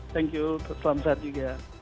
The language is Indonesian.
thank you salam sehat juga